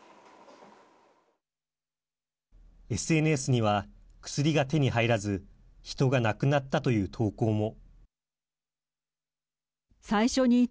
ＳＮＳには、薬が手に入らず人が亡くなったという投稿も。